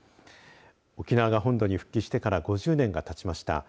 沖縄が本土に復帰してから５０年がたちました。